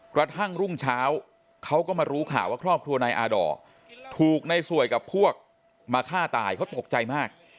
กระทั่งรุ่งเช้าเขาก็มารู้ข่าวว่าครอบครัวนายอาดอร์ถูกในสวยกับพวกมาฆ่าตายเขาตกใจมาก